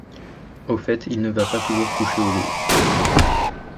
Au fait, il ne va pas toujours coucher au Louvre.